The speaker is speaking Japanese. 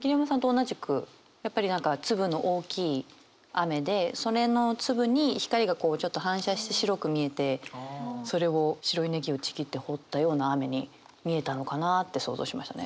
桐山さんと同じくやっぱり何か粒の大きい雨でそれの粒に光がこうちょっと反射して白く見えてそれを白い葱をちぎって放ったような雨に見えたのかなって想像しましたね。